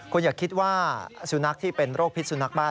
คุณอย่าคิดว่าสุนัขที่เป็นโรคพิษสุนัขบ้าน